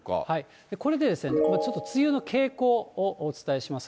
これで、ちょっと梅雨の傾向をお伝えします。